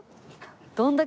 どんだけ。